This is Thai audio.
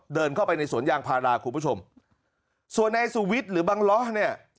เดินเข้าไปในสวนยางพาราคุณผู้ชมส่วนนายสุวิทย์หรือบังล้อเนี่ย